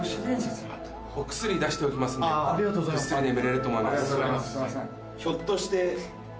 お薬出しておきますんでぐっすり眠れると思います。